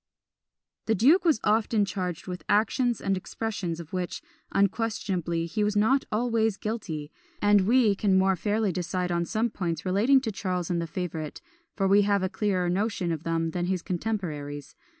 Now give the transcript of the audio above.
The duke was often charged with actions and with expressions of which, unquestionably, he was not always guilty; and we can more fairly decide on some points relating to Charles and the favourite, for we have a clearer notion of them than his contemporaries.